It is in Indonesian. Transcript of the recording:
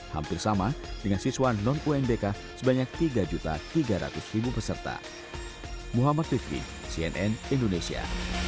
hampir sama dengan siswa non unbk sebanyak tiga tiga ratus peserta